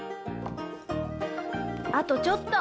あとちょっと。